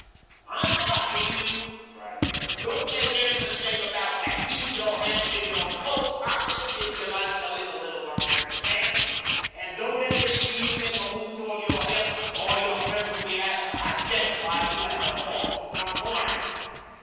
"I'm watching you," cried the other. "Don't make any mistake about that. Keep your hands in your COAT pockets, if you'd like to live a little longer, understand? And don't let me see you make a move toward your hip or your friends will be asked to identify you at the morgue to morrow morning.